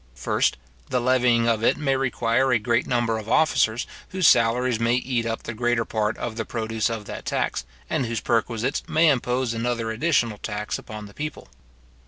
First, the levying of it may require a great number of officers, whose salaries may eat up the greater part of the produce of the tax, and whose perquisites may impose another additional tax upon the people.